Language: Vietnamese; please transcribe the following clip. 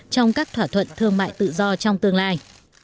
trong các thỏa thuận thương mại tự do trong tương lai